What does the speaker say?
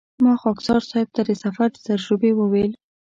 ما خاکسار صیب ته د سفر د تجربې وویل.